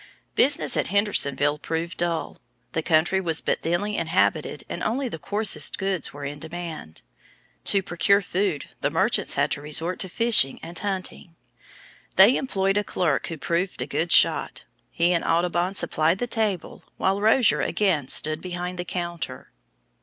Business at Hendersonville proved dull; the country was but thinly inhabited and only the coarsest goods were in demand. To procure food the merchants had to resort to fishing and hunting. They employed a clerk who proved a good shot; he and Audubon supplied the table while Rozier again stood behind the counter.